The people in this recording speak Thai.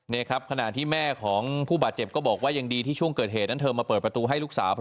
นี่ครับขณะที่แม่ของผู้บาดเจ็บก็บอกว่ายังดีที่ช่วงเกิดเหตุนั้นเธอมาเปิดประตูให้ลูกสาว